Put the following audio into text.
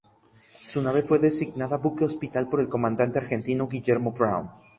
Su nave fue designada buque hospital por el comandante argentino Guillermo Brown.